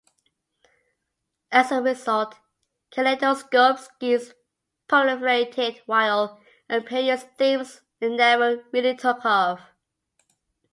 As a result, Kaleidoscope schemes proliferated while Appearance themes never really took off.